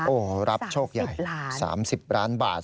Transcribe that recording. โอ้โหรับโชคใหญ่๓๐ล้านบาท